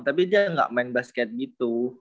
tapi dia nggak main basket gitu